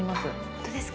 本当ですか？